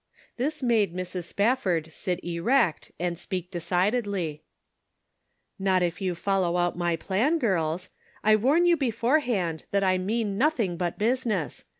This made Mrs. Spafford sit erect aud speak decidedly :" Not if you follow out my plan, girls. I warn you beforehand that I mean nothing but business.